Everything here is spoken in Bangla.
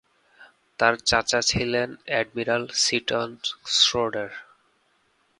তার চাচা ছিলেন অ্যাডমিরাল সিটন শ্রোডার।